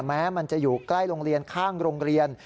แม้มันจะอยู่ใกล้โรงเรียนข้างโรงเรียน